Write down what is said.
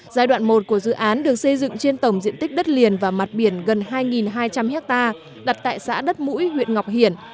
giai đoạn một của dự án được xây dựng trên tổng diện tích đất liền và mặt biển gần hai hai trăm linh ha đặt tại xã đất mũi huyện ngọc hiển